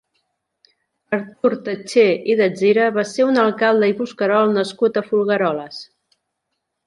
Artur Tatxé i Datzira va ser un alcalde i bosquerol nascut a Folgueroles.